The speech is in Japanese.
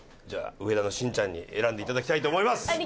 じゃあ上田のしんちゃんに選んでいただきたいと思います。